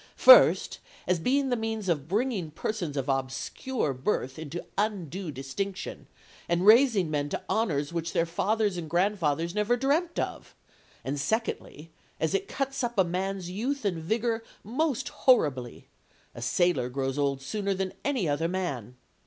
First, as being the means of bringing persons of obscure birth into undue distinction, and raising men to honours which their fathers and grandfathers never dreamt of; and, secondly, as it cuts up a man's youth and vigour most horribly; a sailor grows old sooner than any other man.